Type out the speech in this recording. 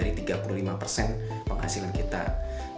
nah seringkali orang itu karena ada penghasilan yang lebih besar